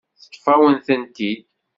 Teṭṭef-awen-tent-id.